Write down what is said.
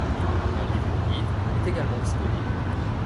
Un livret-guide est également disponible.